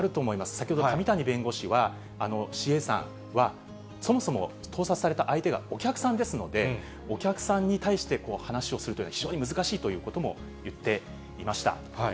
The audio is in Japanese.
先ほど上谷弁護士は、ＣＡさんはそもそも盗撮された相手がお客さんですので、お客さんに対して、話をするというのは非常に難しいということも言っていました。